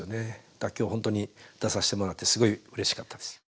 だから今日ほんとに出させてもらってすごいうれしかったです。